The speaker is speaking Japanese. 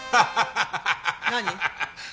何？